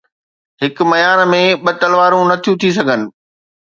هڪ ميان ۾ ٻه تلوارون نٿيون ٿي سگهن